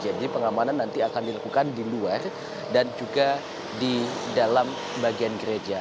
jadi pengamanan nanti akan dilakukan di luar dan juga di dalam bagian gereja